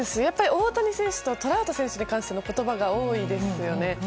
大谷選手とトラウト選手に関しての言葉が多いですよね。